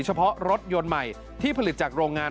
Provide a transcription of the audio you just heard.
เฉพาะรถยนต์ใหม่ที่ผลิตจากโรงงาน